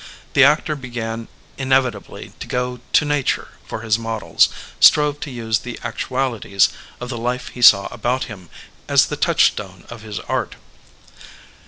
The actor began inevitably to go to nature for his models, strove to use the actualities of the life he saw about him as the touchstone of his art.